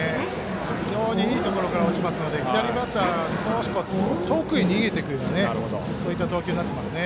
いいところから落ちるので左バッターから少し遠くへ逃げていくようなそういった投球になっていますね。